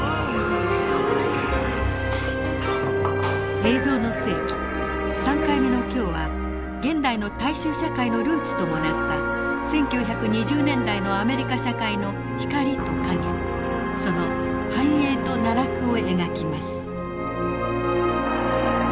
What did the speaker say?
「映像の世紀」３回目の今日は現代の大衆社会のルーツともなった１９２０年代のアメリカ社会の光と陰その繁栄と奈落を描きます。